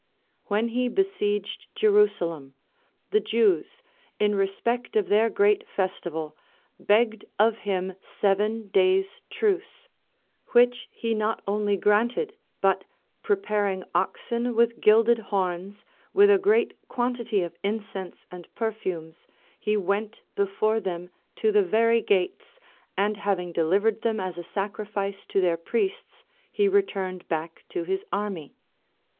When he besieged Jerusa lem, the Jews, in respect of their great festival, begged of him seven days' truce ; which he not only granted, but preparing oxen with gilded horns, with a great quantity of incense and perfumes, he went before them to the very gates, and having delivered them as a sacrifice to their priests, he returned back to his army.